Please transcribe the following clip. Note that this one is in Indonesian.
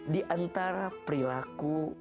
di antara perilaku